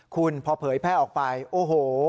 คุณพอเผยแพร่ออกไปโอ้โห